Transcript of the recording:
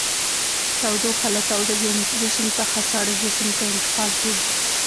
تودوخه له تاوده جسم څخه ساړه جسم ته انتقال کوي.